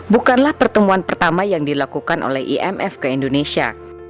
bukanlah pertemuan pertama yang dilakukan oleh imf ke indonesia